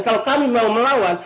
kalau kami mau melawan